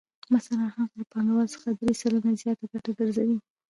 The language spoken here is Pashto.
مثلاً هغه له پانګوال څخه درې سلنه زیاته ګټه ګرځوي